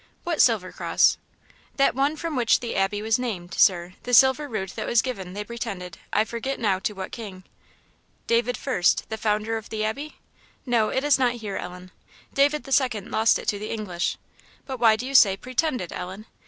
"What silver cross?" "That one from which the Abbey was named, Sir; the silver rood that was given, they pretended, to I forget now what king." "David First, the founder of the Abbey? No, it is not here, Ellen; David the Second lost it to the English. But why do you say pretended, Ellen?